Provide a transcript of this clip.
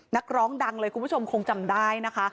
นักร้องดังเลยคุณผู้ชมคงจำได้นะคะ